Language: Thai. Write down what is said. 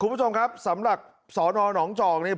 คุณผู้ชมครับสำหรับสนหนองจอกเนี่ย